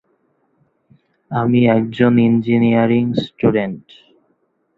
তার প্রযোজনা সংস্থার নাম মাস মিডিয়া লিমিটেড।